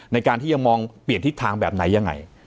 ในการที่จะมองเปลี่ยนทิศทางแบบไหนยังไง